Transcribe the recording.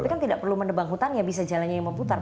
tapi kan tidak perlu menebang hutan ya bisa jalannya yang memutar